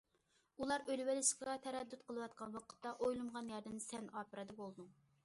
ئۇلار ئۆلۈۋېلىشقا تەرەددۇت قىلىۋاتقان ۋاقىتتا، ئويلىمىغان يەردىن سەن ئاپىرىدە بولدۇڭ!